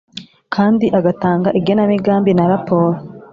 Kandi agatanga igenamigambi na raporo